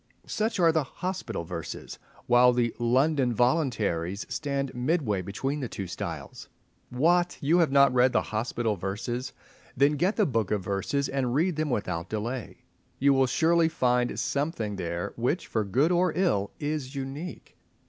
Such are the "Hospital Verses," while the "London Voluntaries" stand midway between the two styles. What! you have not read the "Hospital Verses!" Then get the "Book of Verses" and read them without delay. You will surely find something there which, for good or ill, is unique.